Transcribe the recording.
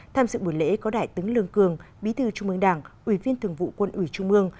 tham dự buổi lễ có đại tướng lương cường bí thư trung mương đảng ủy viên thường vụ quân ủy trung mương